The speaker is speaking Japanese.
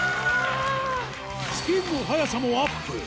スピンの速さもアップ